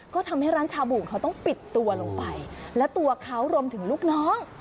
ก็ทำให้ร้านชาบูเขาต้องปิดตัวลงไปและตัวเขารวมถึงลูกน้อง